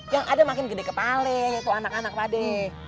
yang ada makin gede kepale yaitu anak anak pade